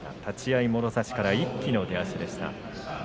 立ち合いもろ差しから一気の出足でした。